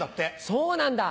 そうなんだ。